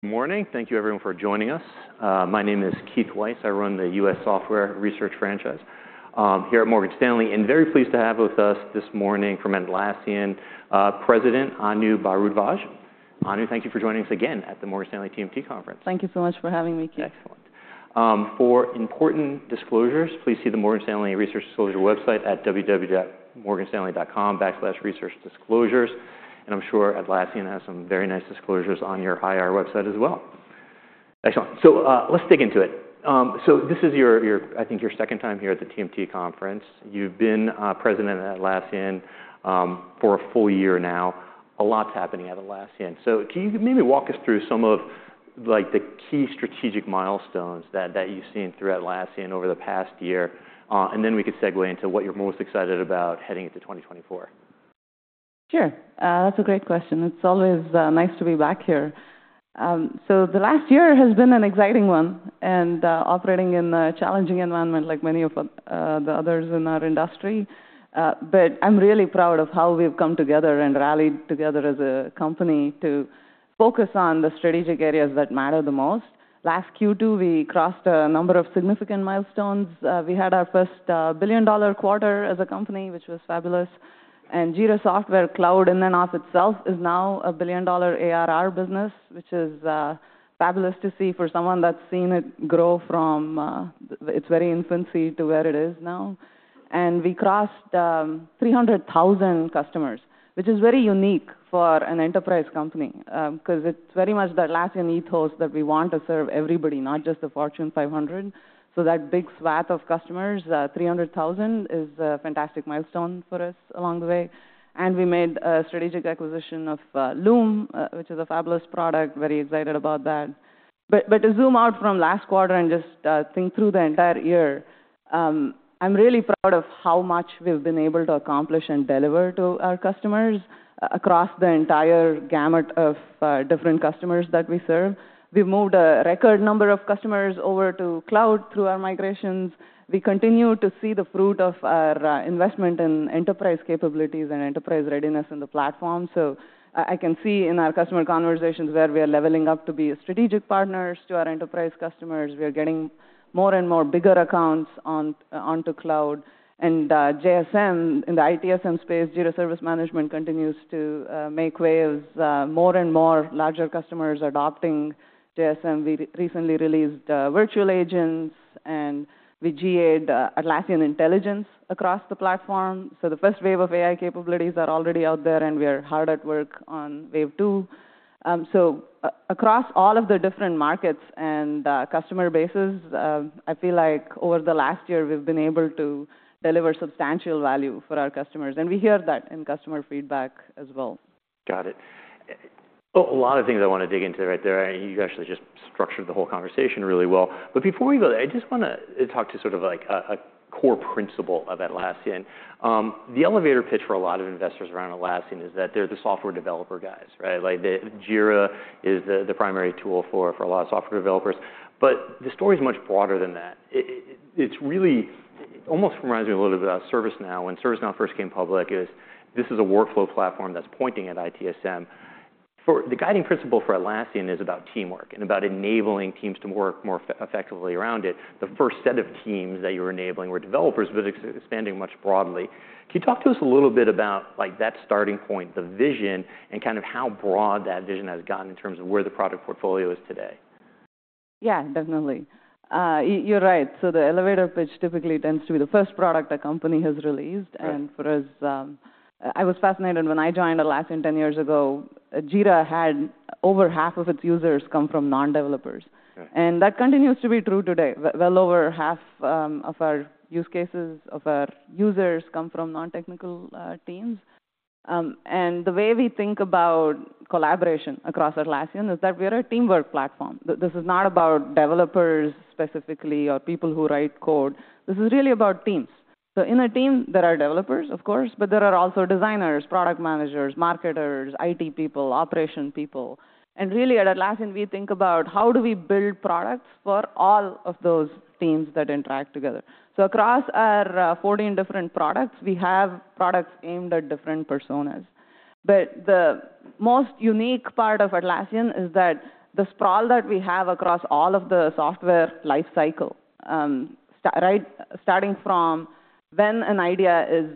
Good morning. Thank you, everyone, for joining us. My name is Keith Weiss. I run the US software research franchise, here at Morgan Stanley. Very pleased to have with us this morning from Atlassian, President Anu Bharadwaj. Anu, thank you for joining us again at the Morgan Stanley TMT Conference. Thank you so much for having me, Keith. Excellent. For important disclosures, please see the Morgan Stanley research disclosure website at www.morganstanley.com/researchdisclosures. And I'm sure Atlassian has some very nice disclosures on your IR website as well. Excellent. So, let's dig into it. So this is your, I think, your second time here at the TMT Conference. You've been President at Atlassian for a full year now. A lot's happening at Atlassian. So can you maybe walk us through some of, like, the key strategic milestones that you've seen through Atlassian over the past year? And then we could segue into what you're most excited about heading into 2024. Sure. That's a great question. It's always nice to be back here. So the last year has been an exciting one. And operating in a challenging environment, like many of the others in our industry. But I'm really proud of how we've come together and rallied together as a company to focus on the strategic areas that matter the most. Last Q2, we crossed a number of significant milestones. We had our first billion-dollar quarter as a company, which was fabulous. And Jira Software Cloud in and of itself is now a billion-dollar ARR business, which is fabulous to see for someone that's seen it grow from its very infancy to where it is now. And we crossed 300,000 customers, which is very unique for an enterprise company, 'cause it's very much the Atlassian ethos that we want to serve everybody, not just the Fortune 500. So that big swath of customers, 300,000, is a fantastic milestone for us along the way. And we made a strategic acquisition of Loom, which is a fabulous product. Very excited about that. But, but to zoom out from last quarter and just think through the entire year, I'm really proud of how much we've been able to accomplish and deliver to our customers, across the entire gamut of different customers that we serve. We've moved a record number of customers over to Cloud through our migrations. We continue to see the fruit of our investment in enterprise capabilities and enterprise readiness in the platform. So, I can see in our customer conversations where we are leveling up to be strategic partners to our enterprise customers. We are getting more and more bigger accounts on, onto Cloud. JSM in the ITSM space, Jira Service Management, continues to make waves more and more. Larger customers adopting JSM. We recently released Virtual Agents. And we GA'd Atlassian Intelligence across the platform. So the first wave of AI capabilities are already out there, and we are hard at work on wave two. So, across all of the different markets and customer bases, I feel like over the last year, we've been able to deliver substantial value for our customers. And we hear that in customer feedback as well. Got it. A lot of things I wanna dig into right there. You actually just structured the whole conversation really well. But before we go there, I just wanna talk about sort of, like, a core principle of Atlassian. The elevator pitch for a lot of investors around Atlassian is that they're the software developer guys, right? Like, the Jira is the primary tool for a lot of software developers. But the story's much broader than that. It's really almost reminds me a little bit about ServiceNow. When ServiceNow first came public, it was, "This is a workflow platform that's pointing at ITSM." The guiding principle for Atlassian is about teamwork and about enabling teams to work more effectively around it. The first set of teams that you were enabling were developers, but it's expanding much broader. Can you talk to us a little bit about, like, that starting point, the vision, and kind of how broad that vision has gotten in terms of where the product portfolio is today? Yeah, definitely. You're right. So the elevator pitch typically tends to be the first product a company has released. And for us, I was fascinated when I joined Atlassian 10 years ago. Jira had over half of its users come from non-developers. And that continues to be true today. Well over half of our use cases of our users come from non-technical teams. The way we think about collaboration across Atlassian is that we are a teamwork platform. This is not about developers specifically or people who write code. This is really about teams. So in a team, there are developers, of course, but there are also designers, product managers, marketers, IT people, operation people. And really, at Atlassian, we think about how do we build products for all of those teams that interact together. So across our 14 different products, we have products aimed at different personas. But the most unique part of Atlassian is that the sprawl that we have across all of the software lifecycle, starting right from when an idea is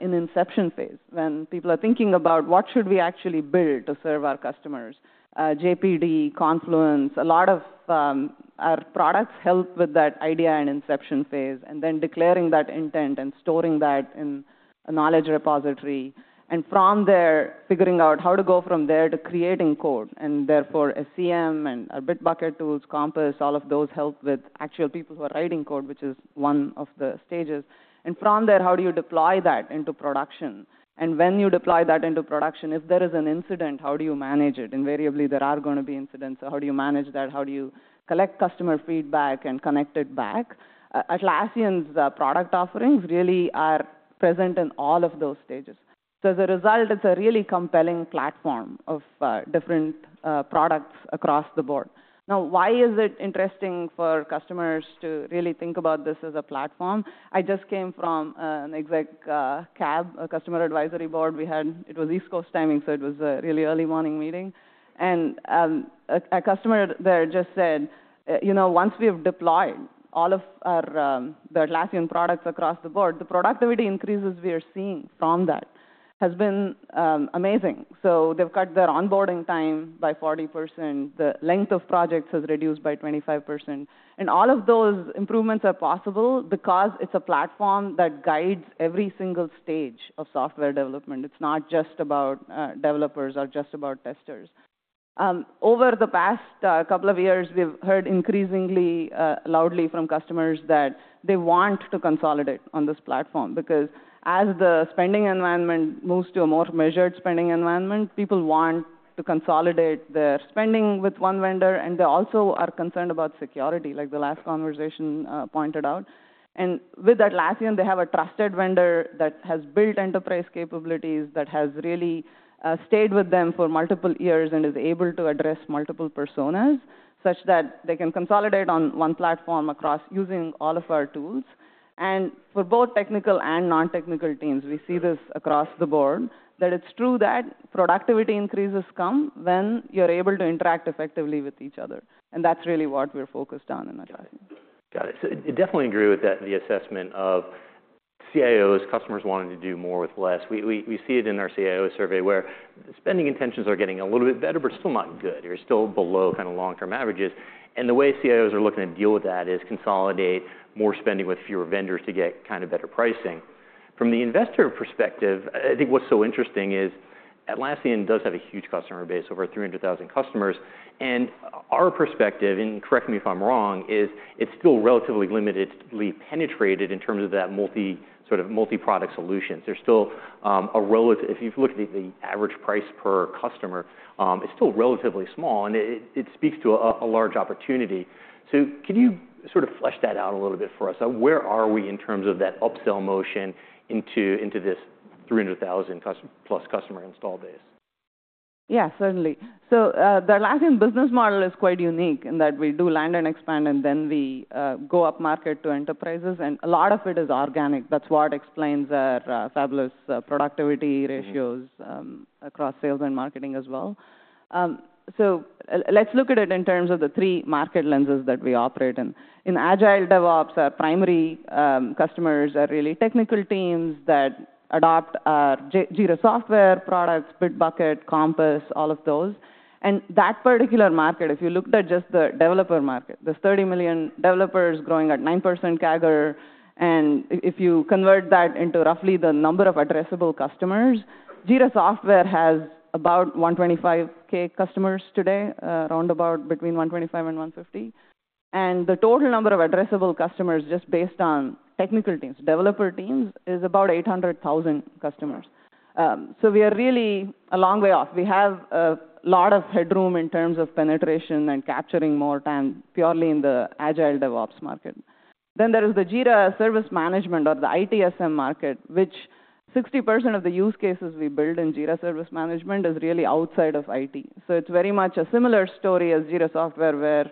in inception phase, when people are thinking about what should we actually build to serve our customers, JPD, Confluence, a lot of our products help with that idea in inception phase and then declaring that intent and storing that in a knowledge repository. And from there, figuring out how to go from there to creating code. And therefore, SCM and our Bitbucket tools, Compass, all of those help with actual people who are writing code, which is one of the stages. And from there, how do you deploy that into production? And when you deploy that into production, if there is an incident, how do you manage it? Invariably, there are gonna be incidents. So how do you manage that? How do you collect customer feedback and connect it back? Atlassian's product offerings really are present in all of those stages. So as a result, it's a really compelling platform of different products across the board. Now, why is it interesting for customers to really think about this as a platform? I just came from an exec CAB, a customer advisory board we had. It was East Coast timing, so it was a really early morning meeting. And a customer there just said, "You know, once we have deployed all of our Atlassian products across the board, the productivity increases we are seeing from that has been amazing." So they've cut their onboarding time by 40%. The length of projects has reduced by 25%. And all of those improvements are possible because it's a platform that guides every single stage of software development. It's not just about developers or just about testers. Over the past couple of years, we've heard increasingly loudly from customers that they want to consolidate on this platform because as the spending environment moves to a more measured spending environment, people want to consolidate their spending with one vendor. They also are concerned about security, like the last conversation pointed out. With Atlassian, they have a trusted vendor that has built enterprise capabilities, that has really stayed with them for multiple years, and is able to address multiple personas such that they can consolidate on one platform across using all of our tools. For both technical and non-technical teams, we see this across the board, that it's true that productivity increases come when you're able to interact effectively with each other. That's really what we're focused on in Atlassian. Got it. So I definitely agree with that, the assessment of CIOs, customers wanting to do more with less. We see it in our CIO survey where spending intentions are getting a little bit better but still not good. They're still below kind of long-term averages. And the way CIOs are looking to deal with that is consolidate more spending with fewer vendors to get kind of better pricing. From the investor perspective, I think what's so interesting is Atlassian does have a huge customer base, over 300,000 customers. And our perspective, and correct me if I'm wrong, is it's still relatively limitedly penetrated in terms of that multi sort of multi-product solutions. There's still a relative if you look at the average price per customer, it's still relatively small. And it speaks to a large opportunity. Can you sort of flesh that out a little bit for us? Where are we in terms of that upsell motion into, into this 300,000-cust-plus customer install base? Yeah, certainly. So, the Atlassian business model is quite unique in that we do land and expand, and then we, go up market to enterprises. And a lot of it is organic. That's what explains our, fabulous, productivity ratios, across sales and marketing as well. So let's look at it in terms of the three market lenses that we operate. And in Agile DevOps, our primary, customers are really technical teams that adopt our Jira Software products, Bitbucket, Compass, all of those. And that particular market, if you looked at just the developer market, there's 30 million developers growing at 9% CAGR. And if you convert that into roughly the number of addressable customers, Jira Software has about 125,000 customers today, roundabout between 125,000 and 150,000. And the total number of addressable customers just based on technical teams, developer teams, is about 800,000 customers. So we are really a long way off. We have a lot of headroom in terms of penetration and capturing more time purely in the agile DevOps market. Then there is the Jira Service Management or the ITSM market, which 60% of the use cases we build in Jira Service Management is really outside of IT. So it's very much a similar story as Jira Software where,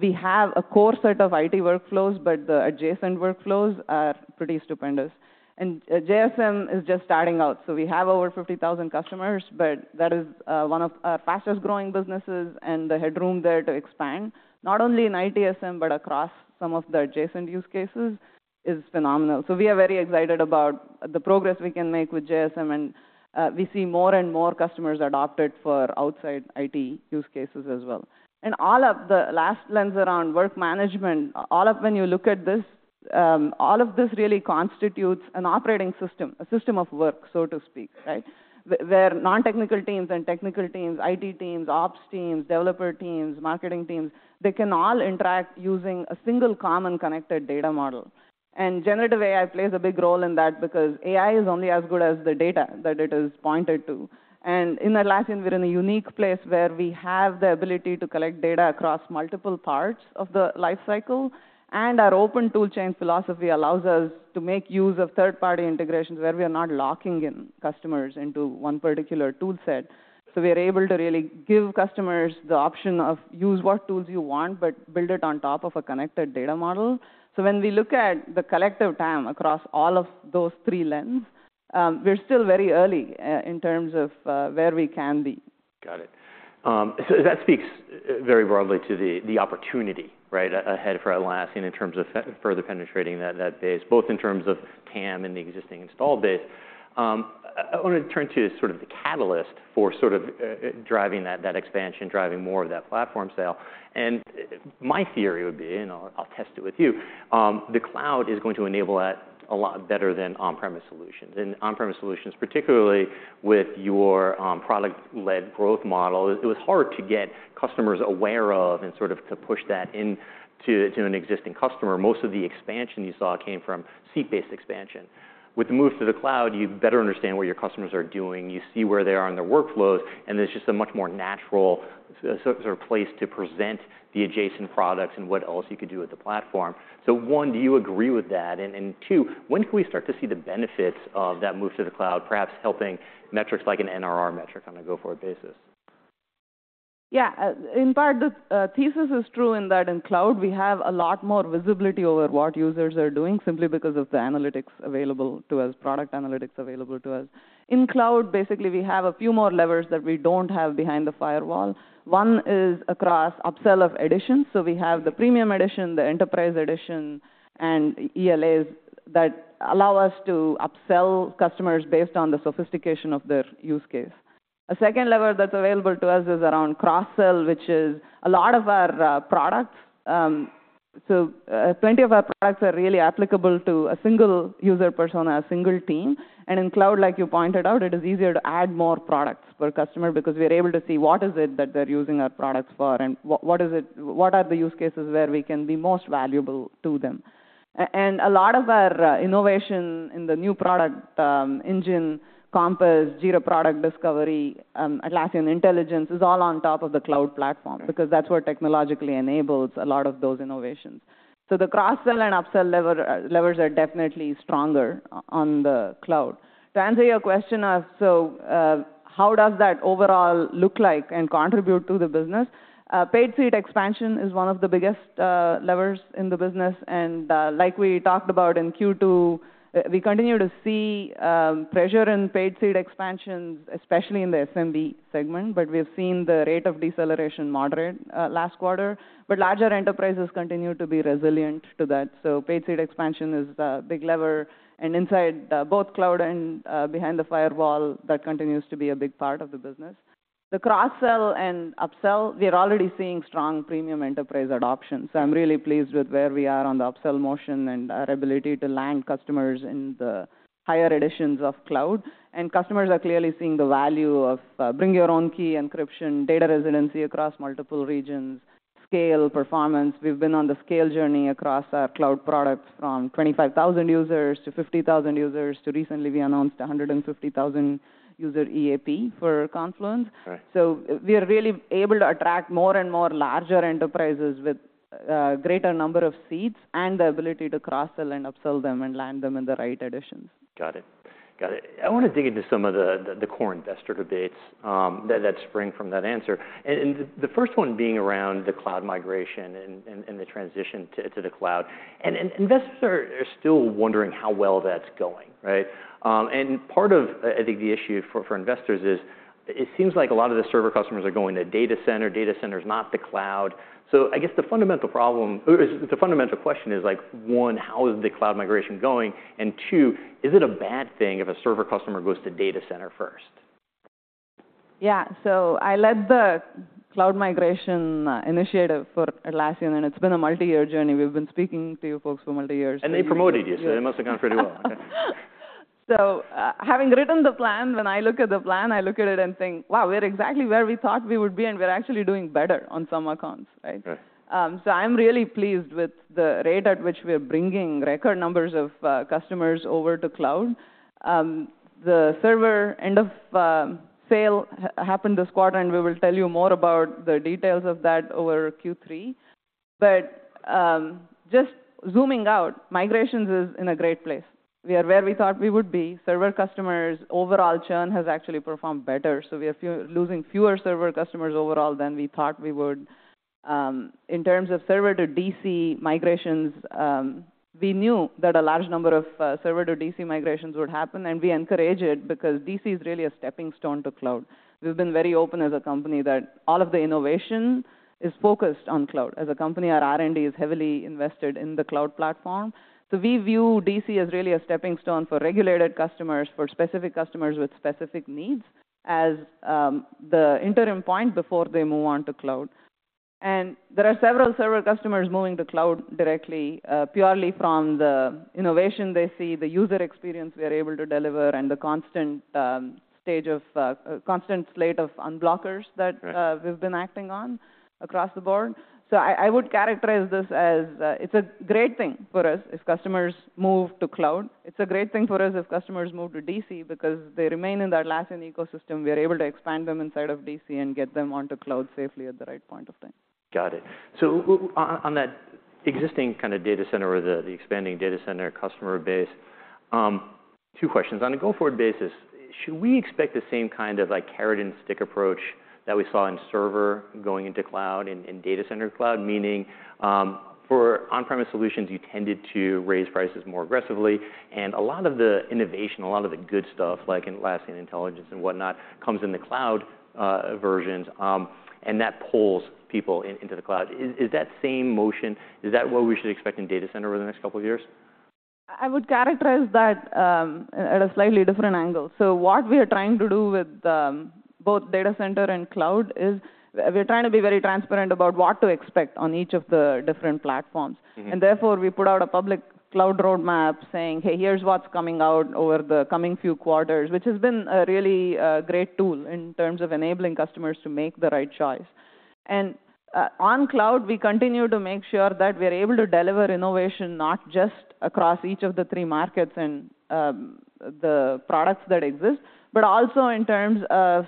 we have a core set of IT workflows, but the adjacent workflows are pretty stupendous. And JSM is just starting out. So we have over 50,000 customers, but that is one of our fastest-growing businesses. And the headroom there to expand, not only in ITSM but across some of the adjacent use cases, is phenomenal. So we are very excited about the progress we can make with JSM. We see more and more customers adopt it for outside IT use cases as well. All of the last lens around work management, all of when you look at this, all of this really constitutes an operating system, a system of work, so to speak, right, where non-technical teams and technical teams, IT teams, ops teams, developer teams, marketing teams, they can all interact using a single common connected data model. Generative AI plays a big role in that because AI is only as good as the data that it is pointed to. In Atlassian, we're in a unique place where we have the ability to collect data across multiple parts of the lifecycle. Our open toolchain philosophy allows us to make use of third-party integrations where we are not locking in customers into one particular tool set. So we are able to really give customers the option of use what tools you want but build it on top of a connected data model. So when we look at the collective time across all of those three lenses, we're still very early, in terms of, where we can be. Got it. So that speaks very broadly to the opportunity, right, ahead for Atlassian in terms of further penetrating that base, both in terms of TAM and the existing install base. I wanna turn to sort of the catalyst for sort of driving that expansion, driving more of that platform sale. And my theory would be, and I'll test it with you, the cloud is going to enable that a lot better than on-premise solutions. And on-premise solutions, particularly with your product-led growth model, it was hard to get customers aware of and sort of to push that into an existing customer. Most of the expansion you saw came from seat-based expansion. With the move to the cloud, you better understand what your customers are doing. You see where they are in their workflows. There's just a much more natural sort of place to present the adjacent products and what else you could do with the platform. So one, do you agree with that? And two, when can we start to see the benefits of that move to the cloud, perhaps helping metrics like an NRR metric on a go-forward basis? Yeah. In part, the thesis is true in that in cloud, we have a lot more visibility over what users are doing simply because of the analytics available to us, product analytics available to us. In cloud, basically, we have a few more levers that we don't have behind the firewall. One is across upsell of editions. So we have the premium edition, the enterprise edition, and ELAs that allow us to upsell customers based on the sophistication of their use case. A second lever that's available to us is around cross-sell, which is a lot of our products, so plenty of our products are really applicable to a single user persona, a single team. And in Cloud, like you pointed out, it is easier to add more products per customer because we are able to see what it is that they're using our products for and what are the use cases where we can be most valuable to them. And a lot of our innovation in the new product engine, Compass, Jira Product Discovery, Atlassian Intelligence is all on top of the Cloud platform because that's what technologically enables a lot of those innovations. So the cross-sell and upsell levers are definitely stronger on the Cloud. To answer your question, so how does that overall look like and contribute to the business? Paid-seat expansion is one of the biggest levers in the business. And, like we talked about in Q2, we continue to see pressure in paid-seat expansions, especially in the SMB segment. But we have seen the rate of deceleration moderate last quarter. But larger enterprises continue to be resilient to that. So paid-seat expansion is a big lever. And inside, both Cloud and behind the firewall, that continues to be a big part of the business. The cross-sell and upsell, we are already seeing strong premium enterprise adoption. So I'm really pleased with where we are on the upsell motion and our ability to land customers in the higher editions of Cloud. And customers are clearly seeing the value of bring-your-own-key encryption, data residency across multiple regions, scale, performance. We've been on the scale journey across our Cloud product from 25,000 users to 50,000 users. And recently, we announced 150,000-user EAP for Confluence. Right. We are really able to attract more and more larger enterprises with greater number of seats and the ability to cross-sell and upsell them and land them in the right editions. Got it. Got it. I wanna dig into some of the core investor debates that spring from that answer. And the first one being around the cloud migration and the transition to the Cloud. And investors are still wondering how well that's going, right? And part of, I think, the issue for investors is it seems like a lot of the Server customers are going to Data Center. Data Center's not the Cloud. So I guess the fundamental problem or the fundamental question is, like, one, how is the cloud migration going? And two, is it a bad thing if a Server customer goes to Data Center first? Yeah. I led the cloud migration initiative for Atlassian. It's been a multi-year journey. We've been speaking to you folks for multi-years. They promoted you. It must have gone pretty well. Okay. Having written the plan, when I look at the plan, I look at it and think, "Wow, we're exactly where we thought we would be. And we're actually doing better on some accounts," right? Right. So I'm really pleased with the rate at which we are bringing record numbers of customers over to Cloud. The Server end-of-sale happened this quarter. And we will tell you more about the details of that over Q3. But just zooming out, migrations is in a great place. We are where we thought we would be. Server customers overall churn has actually performed better. So we are losing fewer Server customers overall than we thought we would. In terms of Server-to-DC migrations, we knew that a large number of Server-to-DC migrations would happen. And we encourage it because DC is really a stepping stone to Cloud. We've been very open as a company that all of the innovation is focused on Cloud. As a company, our R&D is heavily invested in the Cloud platform. So we view DC as really a stepping stone for regulated customers, for specific customers with specific needs, the interim point before they move on to cloud. And there are several server customers moving to cloud directly, purely from the innovation they see, the user experience we are able to deliver, and the constant slate of unblockers that we've been acting on across the board. So I would characterize this as, it's a great thing for us if customers move to cloud. It's a great thing for us if customers move to DC because they remain in the Atlassian ecosystem. We are able to expand them inside of DC and get them onto cloud safely at the right point of time. Got it. So on that existing kind of Data Center or the expanding Data Center customer base, two questions. On a go-forward basis, should we expect the same kind of, like, carrot-and-stick approach that we saw in Server going into Cloud and Data Center Cloud? Meaning, for On-premise solutions, you tended to raise prices more aggressively. And a lot of the innovation, a lot of the good stuff, like Atlassian Intelligence and whatnot, comes in the Cloud versions. And that pulls people in, into the Cloud. Is that same motion? Is that what we should expect in Data Center over the next couple of years? I would characterize that at a slightly different angle. So what we are trying to do with both Data Center and Cloud is we are trying to be very transparent about what to expect on each of the different platforms. And therefore, we put out a public Cloud roadmap saying, "Hey, here's what's coming out over the coming few quarters," which has been a really great tool in terms of enabling customers to make the right choice. And on Cloud, we continue to make sure that we are able to deliver innovation not just across each of the three markets and the products that exist but also in terms of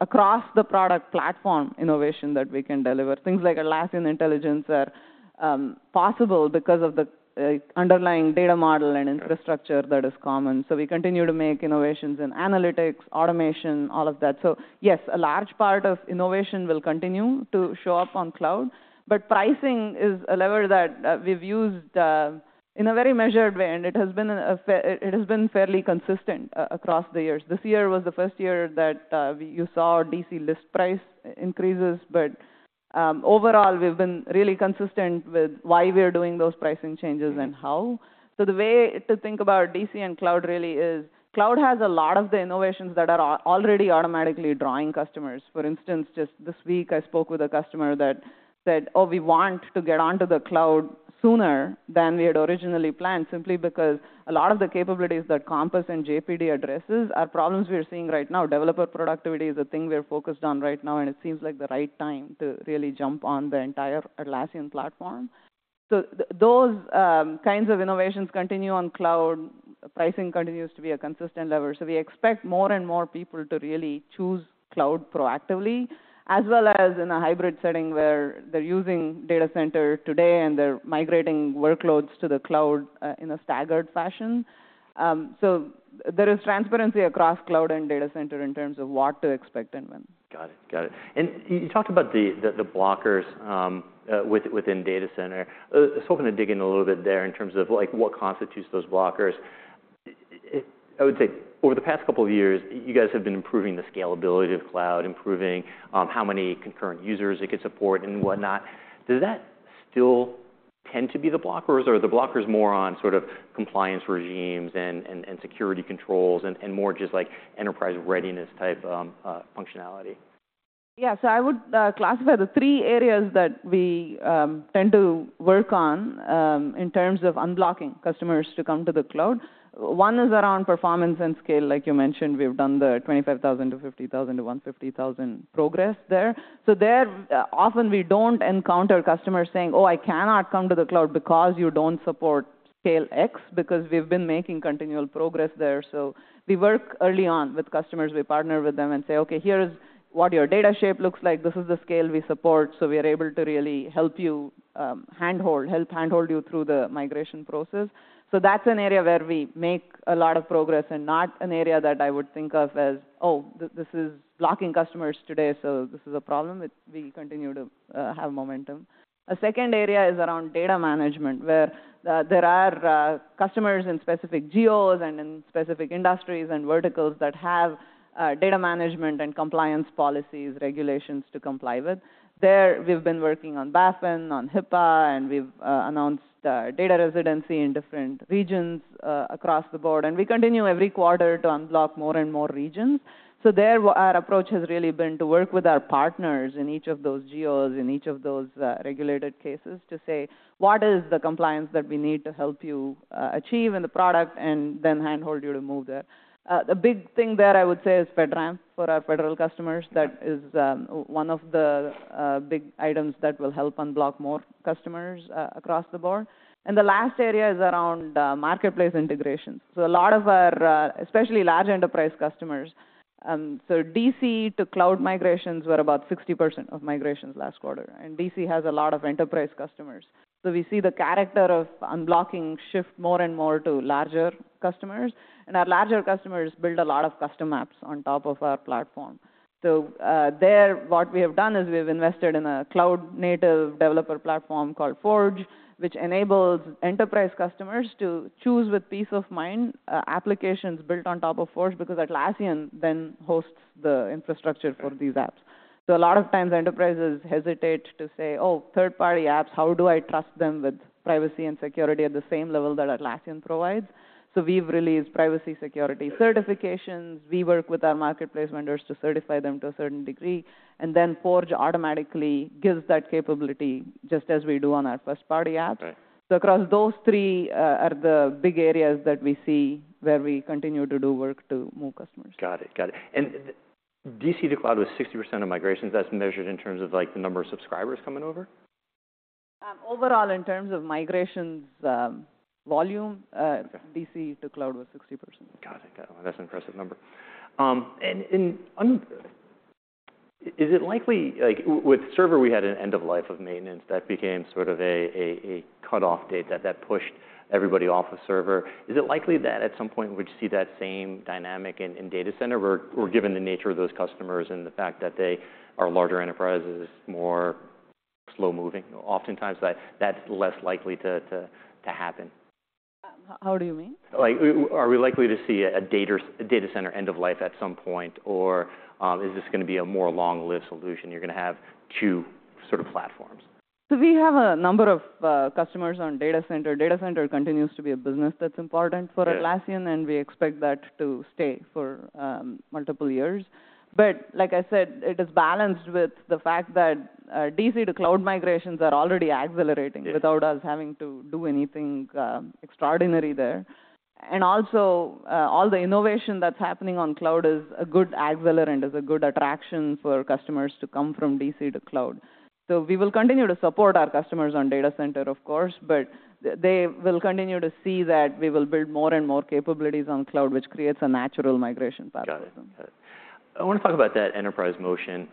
across the product platform innovation that we can deliver. Things like Atlassian Intelligence are possible because of the underlying data model and infrastructure that is common. So we continue to make innovations in analytics, automation, all of that. So yes, a large part of innovation will continue to show up on cloud. But pricing is a lever that we've used in a very measured way. And it has been fairly consistent across the years. This year was the first year that you saw DC list price increases. But overall, we've been really consistent with why we are doing those pricing changes and how. So the way to think about DC and cloud really is cloud has a lot of the innovations that are already automatically drawing customers. For instance, just this week, I spoke with a customer that said, "Oh, we want to get onto the cloud sooner than we had originally planned," simply because a lot of the capabilities that Compass and JPD addresses are problems we are seeing right now. Developer productivity is a thing we are focused on right now. It seems like the right time to really jump on the entire Atlassian platform. Those kinds of innovations continue on Cloud. Pricing continues to be a consistent lever. We expect more and more people to really choose Cloud proactively as well as in a hybrid setting where they're using Data Center today and they're migrating workloads to the Cloud, in a staggered fashion. There is transparency across Cloud and Data Center in terms of what to expect and when. Got it. Got it. You talked about the blockers within Data Center. I was hoping to dig in a little bit there in terms of, like, what constitutes those blockers. I would say over the past couple of years, you guys have been improving the scalability of Cloud, improving how many concurrent users it could support and whatnot. Does that still tend to be the blocker? Or is the blocker more on sort of compliance regimes and security controls and more just, like, enterprise readiness type functionality? Yeah. So I would classify the three areas that we tend to work on, in terms of unblocking customers to come to the cloud. One is around performance and scale. Like you mentioned, we've done the 25,000 to 50,000 to 150,000 progress there. So there, often, we don't encounter customers saying, "Oh, I cannot come to the cloud because you don't support scale X," because we've been making continual progress there. So we work early on with customers. We partner with them and say, "Okay. Here is what your data shape looks like. This is the scale we support." So we are able to really help you handhold you through the migration process. So that's an area where we make a lot of progress and not an area that I would think of as, "Oh, this is blocking customers today. So this is a problem." We continue to have momentum. A second area is around data management where there are customers in specific geos and in specific industries and verticals that have data management and compliance policies, regulations to comply with. There, we've been working on BaFin, on HIPAA. And we've announced data residency in different regions, across the board. And we continue every quarter to unblock more and more regions. So there, our approach has really been to work with our partners in each of those geos, in each of those regulated cases to say, "What is the compliance that we need to help you achieve in the product and then handhold you to move there?" The big thing there, I would say, is FedRAMP for our federal customers. That is one of the big items that will help unblock more customers, across the board. And the last area is around marketplace integrations. So a lot of our, especially large enterprise customers, so DC to cloud migrations were about 60% of migrations last quarter. And DC has a lot of enterprise customers. So we see the character of unblocking shift more and more to larger customers. And our larger customers build a lot of custom apps on top of our platform. So, there, what we have done is we have invested in a cloud-native developer platform called Forge, which enables enterprise customers to choose with peace of mind applications built on top of Forge because Atlassian then hosts the infrastructure for these apps. So a lot of times, enterprises hesitate to say, "Oh, third-party apps, how do I trust them with privacy and security at the same level that Atlassian provides?" So we've released privacy security certifications. We work with our marketplace vendors to certify them to a certain degree. Then Forge automatically gives that capability just as we do on our first-party apps. Right. Across those three are the big areas that we see where we continue to do work to move customers. Got it. Got it. DC to cloud was 60% of migrations. That's measured in terms of, like, the number of subscribers coming over? Overall, in terms of migrations, volume. Okay. DC to Cloud was 60%. Got it. Got it. Well, that's an impressive number. And I'm—is it likely, like, with Server, we had an end-of-life of maintenance. That became sort of a cutoff date that pushed everybody off of Server. Is it likely that at some point, we'd see that same dynamic in Data Center? We're given the nature of those customers and the fact that they are larger enterprises, more slow-moving. Oftentimes, that's less likely to happen. How do you mean? Like, are we likely to see a Data Center end-of-life at some point? Or, is this gonna be a more long-lived solution? You're gonna have two sort of platforms? So we have a number of customers on Data Center. Data Center continues to be a business that's important for Atlassian. And we expect that to stay for multiple years. But like I said, it is balanced with the fact that DC to Cloud migrations are already accelerating without us having to do anything extraordinary there. And also, all the innovation that's happening on Cloud is a good accelerant, is a good attraction for customers to come from DC to Cloud. So we will continue t support our customers on Data Center, of course. But they will continue to see that we will build more and more capabilities on Cloud, which creates a natural migration path for them. Got it. Got it. I wanna talk about that enterprise motion.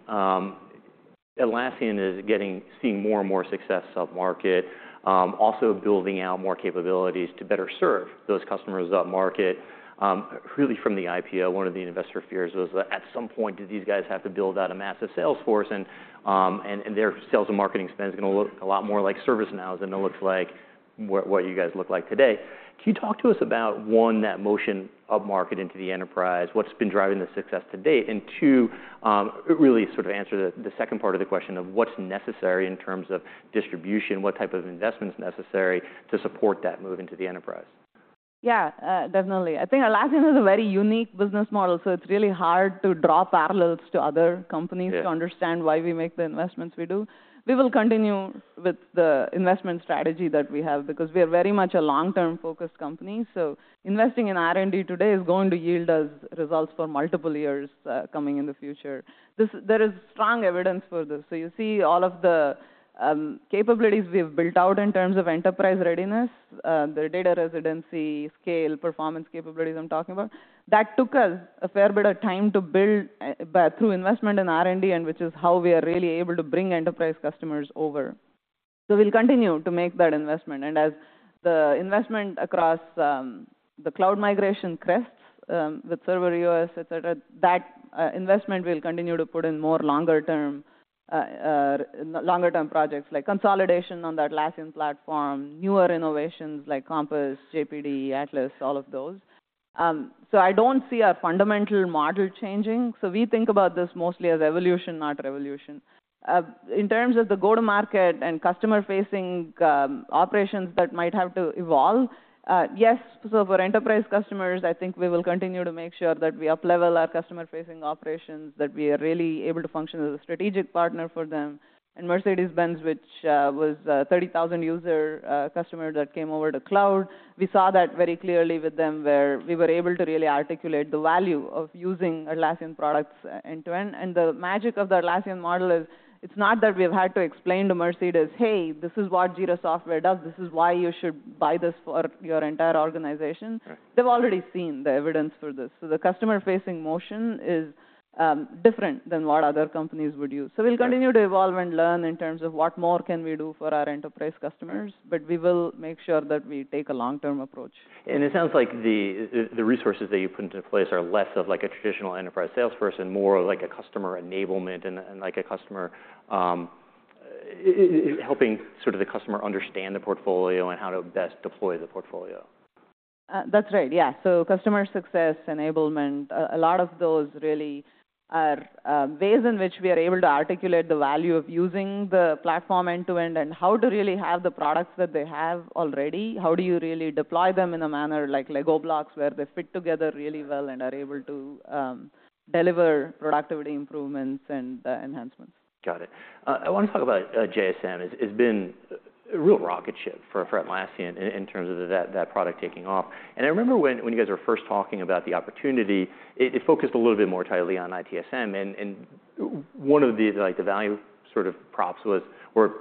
Atlassian is getting seeing more and more success off-market, also building out more capabilities to better serve those customers off-market. Really, from the IPO, one of the investor fears was that at some point, do these guys have to build out a massive sales force? And, and, and their sales and marketing spend's gonna look a lot more like ServiceNow than it looks like what, what you guys look like today. Can you talk to us about, one, that motion up-market into the enterprise? What's been driving the success to date? And two, really sort of answer the, the second part of the question of what's necessary in terms of distribution, what type of investment's necessary to support that move into the enterprise? Yeah. Definitely. I think Atlassian is a very unique business model. So it's really hard to draw parallels to other companies to understand why we make the investments we do. We will continue with the investment strategy that we have because we are very much a long-term-focused company. So investing in R&D today is going to yield us results for multiple years coming in the future. This, there is strong evidence for this. So you see all of the capabilities we have built out in terms of enterprise readiness, the data residency, scale, performance capabilities I'm talking about. That took us a fair bit of time to build through investment in R&D, and which is how we are really able to bring enterprise customers over. So we'll continue to make that investment. As the investment across the cloud migration crests, with Server EOS, etc., that investment, we'll continue to put in more longer-term, longer-term projects like consolidation on the Atlassian platform, newer innovations like Compass, JPD, Atlas, all of those. So I don't see our fundamental model changing. So we think about this mostly as evolution, not revolution. In terms of the go-to-market and customer-facing operations that might have to evolve, yes. So for enterprise customers, I think we will continue to make sure that we up-level our customer-facing operations, that we are really able to function as a strategic partner for them. And Mercedes-Benz, which was a 30,000-user customer that came over to cloud, we saw that very clearly with them where we were able to really articulate the value of using Atlassian products end-to-end. The magic of the Atlassian model is it's not that we have had to explain to Mercedes, "Hey, this is what Jira Software does. This is why you should buy this for your entire organization. Right. They've already seen the evidence for this. The customer-facing motion is different than what other companies would use. We'll continue to evolve and learn in terms of what more can we do for our enterprise customers. But we will make sure that we take a long-term approach. It sounds like the resources that you put into place are less of, like, a traditional enterprise salesperson, more of, like, a customer enablement and, like, a customer is helping sort of the customer understand the portfolio and how to best deploy the portfolio. That's right. Yeah. So customer success enablement, a lot of those really are ways in which we are able to articulate the value of using the platform end-to-end and how to really have the products that they have already. How do you really deploy them in a manner, like, Lego blocks, where they fit together really well and are able to deliver productivity improvements and enhancements? Got it. I wanna talk about JSM. It's been a real rocket ship for Atlassian in terms of that product taking off. And I remember when you guys were first talking about the opportunity, it focused a little bit more tightly on ITSM. And one of the, like, the value sort of props was or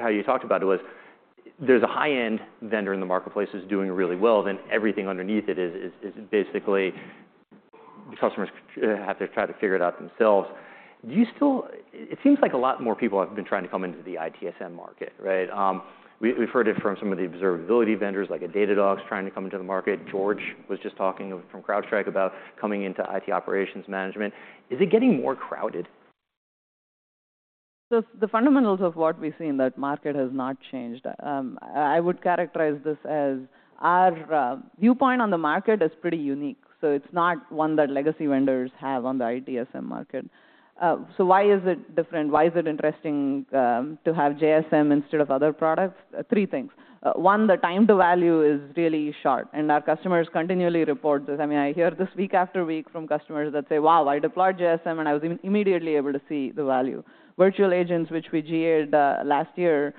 how you talked about it was there's a high-end vendor in the marketplace that's doing really well. Then everything underneath it is basically the customers have to try to figure it out themselves. Do you still it seems like a lot more people have been trying to come into the ITSM market, right? We've heard it from some of the observability vendors like Datadog's trying to come into the market. George was just talking from CrowdStrike about coming into IT operations management. Is it getting more crowded? So the fundamentals of what we see in that market have not changed. I would characterize this as our viewpoint on the market is pretty unique. So it's not one that legacy vendors have on the ITSM market. So why is it different? Why is it interesting to have JSM instead of other products? Three things. One, the time to value is really short. And our customers continually report this. I mean, I hear this week after week from customers that say, "Wow. I deployed JSM. And I was immediately able to see the value." Virtual agents, which we GA'ed last year,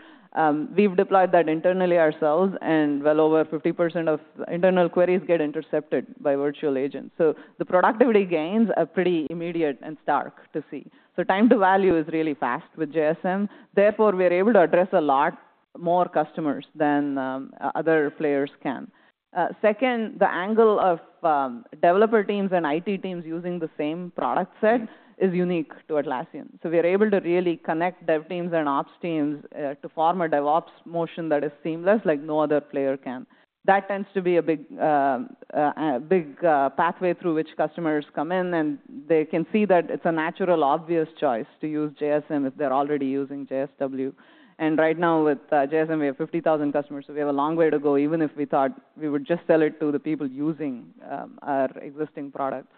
we've deployed that internally ourselves. And well over 50% of internal queries get intercepted by virtual agents. So the productivity gains are pretty immediate and stark to see. So time to value is really fast with JSM. Therefore, we are able to address a lot more customers than other players can. Second, the angle of developer teams and IT teams using the same product set is unique to Atlassian. So we are able to really connect dev teams and ops teams to form a DevOps motion that is seamless, like no other player can. That tends to be a big, big pathway through which customers come in. And they can see that it's a natural, obvious choice to use JSM if they're already using JSW. And right now, with JSM, we have 50,000 customers. So we have a long way to go even if we thought we would just sell it to the people using our existing products.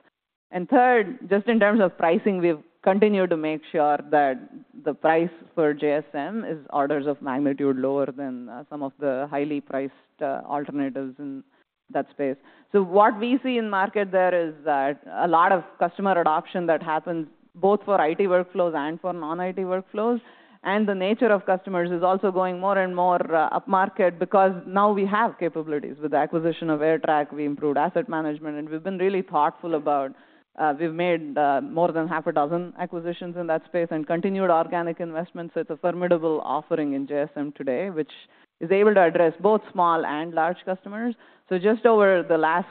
And third, just in terms of pricing, we've continued to make sure that the price for JSM is orders of magnitude lower than some of the highly priced alternatives in that space. So what we see in the market there is that a lot of customer adoption that happens both for IT workflows and for non-IT workflows. The nature of customers is also going more and more up-market because now we have capabilities. With the acquisition of AirTrack, we improved asset management. And we've been really thoughtful about. We've made more than half a dozen acquisitions in that space and continued organic investments. So it's a formidable offering in JSM today, which is able to address both small and large customers. So just over the last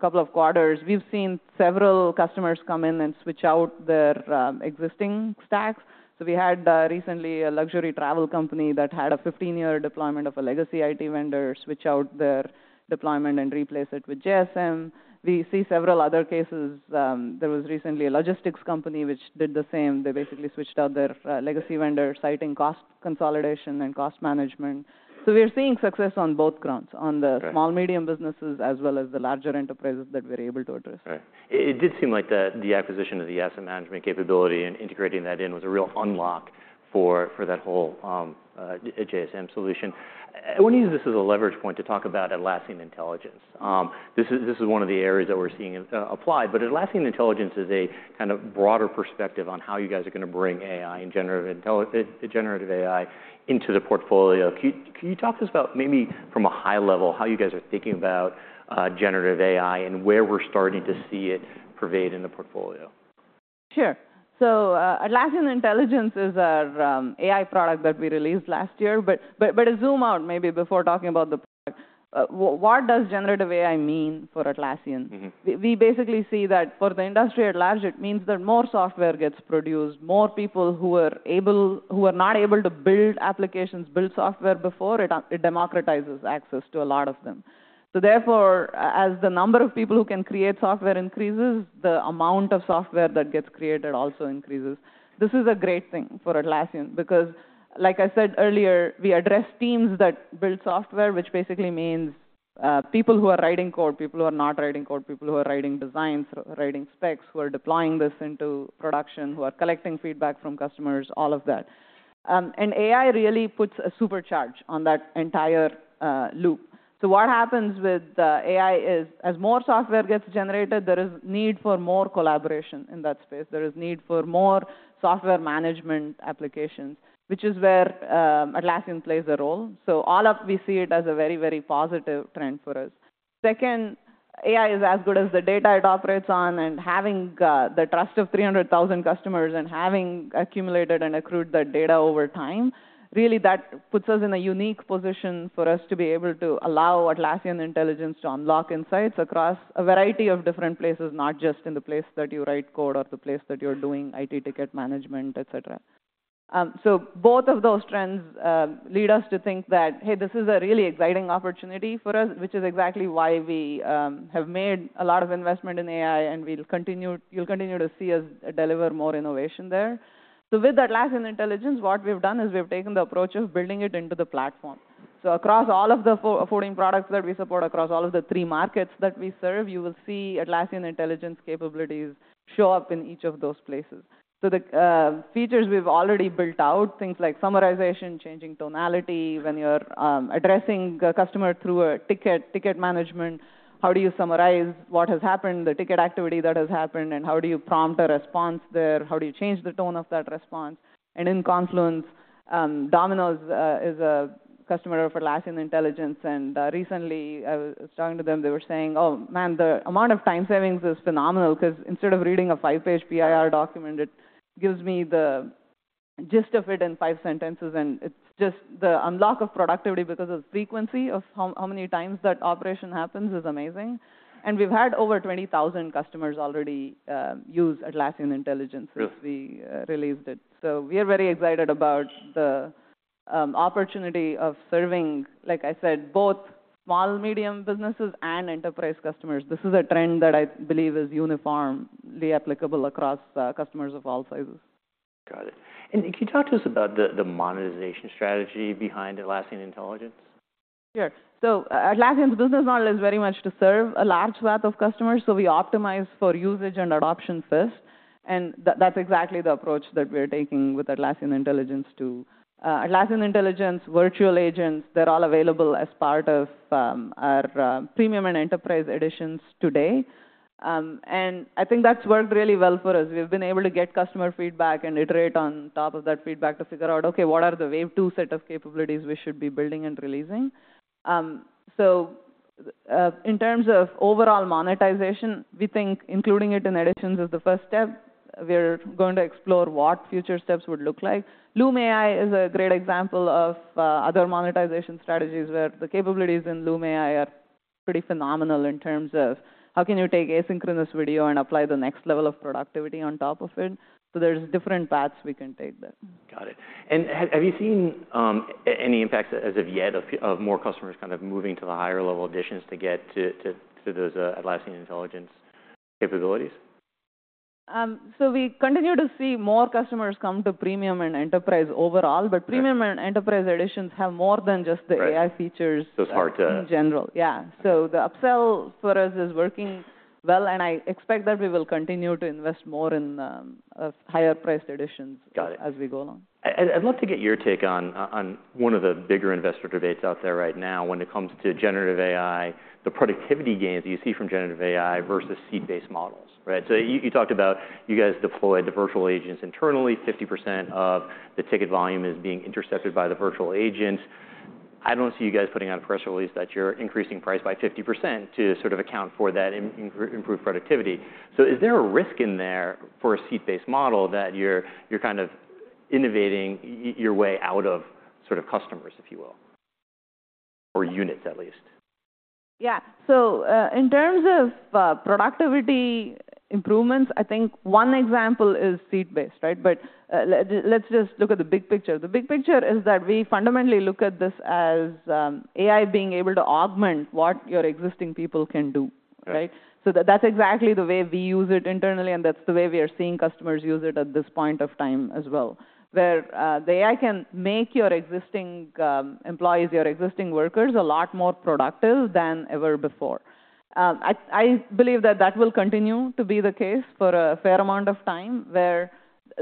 couple of quarters, we've seen several customers come in and switch out their existing stacks. So, recently, a luxury travel company that had a 15-year deployment of a legacy IT vendor switch out their deployment and replace it with JSM. We see several other cases. There was recently a logistics company which did the same. They basically switched out their legacy vendor citing cost consolidation and cost management. So we are seeing success on both grounds, on the small, medium businesses as well as the larger enterprises that we're able to address. Right. It did seem like that the acquisition of the asset management capability and integrating that in was a real unlock for that whole JSM solution. I wanna use this as a leverage point to talk about Atlassian Intelligence. This is one of the areas that we're seeing applied. But Atlassian Intelligence is a kind of broader perspective on how you guys are gonna bring AI and generative AI into the portfolio. Can you talk to us about maybe from a high level how you guys are thinking about generative AI and where we're starting to see it pervade in the portfolio? Sure. So, Atlassian Intelligence is our AI product that we released last year. But to zoom out maybe before talking about the product, what does generative AI mean for Atlassian? Mm-hmm. We basically see that for the industry at large, it means that more software gets produced, more people who are not able to build applications, build software before, it democratizes access to a lot of them. So therefore, as the number of people who can create software increases, the amount of software that gets created also increases. This is a great thing for Atlassian because, like I said earlier, we address teams that build software, which basically means, people who are writing code, people who are not writing code, people who are writing designs, writing specs, who are deploying this into production, who are collecting feedback from customers, all of that. And AI really puts a supercharge on that entire loop. So what happens with AI is as more software gets generated, there is need for more collaboration in that space. There is need for more software management applications, which is where Atlassian plays a role. So all up, we see it as a very, very positive trend for us. Second, AI is as good as the data it operates on. And having the trust of 300,000 customers and having accumulated and accrued that data over time, really that puts us in a unique position for us to be able to allow Atlassian Intelligence to unlock insights across a variety of different places, not just in the place that you write code or the place that you're doing IT ticket management, etc. So both of those trends lead us to think that, "Hey, this is a really exciting opportunity for us," which is exactly why we have made a lot of investment in AI. And we'll continue. You'll continue to see us deliver more innovation there. So with Atlassian Intelligence, what we've done is we've taken the approach of building it into the platform. So across all of the four products that we support across all of the three markets that we serve, you will see Atlassian Intelligence capabilities show up in each of those places. So the features we've already built out, things like summarization, changing tonality when you're addressing a customer through a ticket, ticket management, how do you summarize what has happened, the ticket activity that has happened, and how do you prompt a response there? How do you change the tone of that response? And in Confluence, Domino's is a customer of Atlassian Intelligence. And recently, I was talking to them. They were saying, "Oh, man, the amount of time savings is phenomenal 'cause instead of reading a five-page PIR document, it gives me the gist of it in five sentences." And it's just the unlock of productivity because of the frequency of how many times that operation happens is amazing. And we've had over 20,000 customers already use Atlassian Intelligence since we released it. So we are very excited about the opportunity of serving, like I said, both small, medium businesses and enterprise customers. This is a trend that I believe is uniformly applicable across customers of all sizes. Got it. Can you talk to us about the monetization strategy behind Atlassian Intelligence? Sure. So, Atlassian's business model is very much to serve a large swath of customers. So we optimize for usage and adoption first. And that's exactly the approach that we are taking with Atlassian Intelligence to, Atlassian Intelligence, virtual agents, they're all available as part of our premium and enterprise editions today. And I think that's worked really well for us. We've been able to get customer feedback and iterate on top of that feedback to figure out, "Okay. What are the wave two set of capabilities we should be building and releasing?" So, in terms of overall monetization, we think including it in editions is the first step. We are going to explore what future steps would look like. Loom AI is a great example of other monetization strategies where the capabilities in Loom AI are pretty phenomenal in terms of how can you take asynchronous video and apply the next level of productivity on top of it. So there's different paths we can take there. Got it. Have you seen any impacts as of yet of more customers kind of moving to the higher-level editions to get to those Atlassian Intelligence capabilities? We continue to see more customers come to premium and enterprise overall. But premium and enterprise editions have more than just the AI features. It's hard to. In general. Yeah. So the upsell for us is working well. And I expect that we will continue to invest more in higher-priced editions. Got it. As we go along. I'd love to get your take on, on one of the bigger investor debates out there right now when it comes to generative AI, the productivity gains that you see from generative AI versus SaaS-based models, right? So you talked about you guys deployed the virtual agents internally. 50% of the ticket volume is being intercepted by the virtual agents. I don't see you guys putting out a press release that you're increasing price by 50% to sort of account for that improved productivity. So is there a risk in there for a SaaS-based model that you're kind of innovating your way out of sort of customers, if you will, or units at least? Yeah. So, in terms of productivity improvements, I think one example is seat-based, right? But let's just look at the big picture. The big picture is that we fundamentally look at this as AI being able to augment what your existing people can do, right? So that's exactly the way we use it internally. And that's the way we are seeing customers use it at this point of time as well, where the AI can make your existing employees, your existing workers a lot more productive than ever before. I believe that that will continue to be the case for a fair amount of time where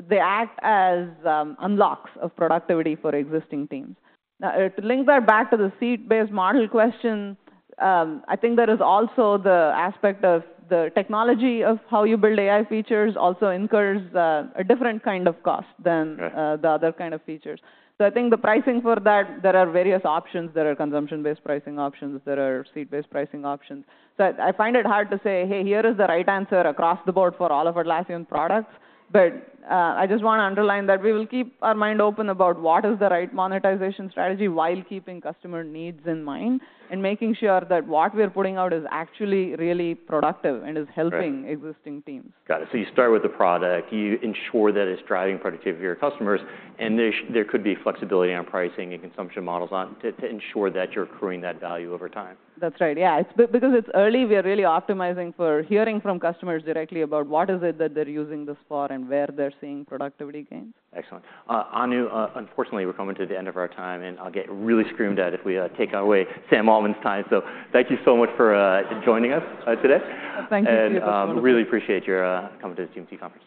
they act as unlocks of productivity for existing teams. Now, to link that back to the seat-based model question, I think there is also the aspect of the technology of how you build AI features also incurs a different kind of cost than the other kind of features. So I think the pricing for that, there are various options. There are consumption-based pricing options. There are seat-based pricing options. So I, I find it hard to say, "Hey, here is the right answer across the board for all of Atlassian products." But I just wanna underline that we will keep our mind open about what is the right monetization strategy while keeping customer needs in mind and making sure that what we are putting out is actually really productive and is helping existing teams. Got it. So you start with the product. You ensure that it's driving productivity of your customers. And there could be flexibility on pricing and consumption models on to ensure that you're accruing that value over time. That's right. Yeah. It's because it's early, we are really optimizing for hearing from customers directly about what is it that they're using this for and where they're seeing productivity gains. Excellent. Anu, unfortunately, we're coming to the end of our time. I'll get really screamed at if we take away Sam Altman's time. So thank you so much for joining us today. Thank you to you as well. Really appreciate your com`ing to this TMT conference.